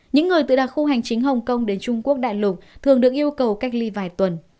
những người từ đặc khu hành chính hồng kông đến trung quốc đại lục thường được yêu cầu cách ly vài tuần